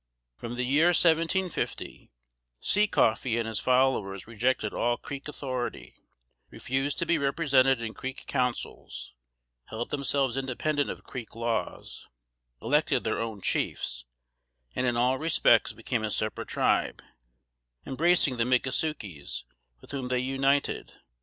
From the year 1750, Seacoffee and his followers rejected all Creek authority, refused to be represented in Creek councils, held themselves independent of Creek laws, elected their own chiefs, and in all respects became a separate Tribe, embracing the Mickasukies, with whom they united.